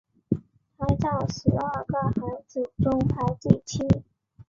他在十二个孩子中排第七。